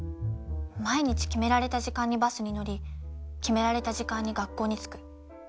毎日決められた時間にバスに乗り決められた時間に学校に着く。